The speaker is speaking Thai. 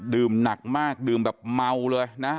หนักมากดื่มแบบเมาเลยนะ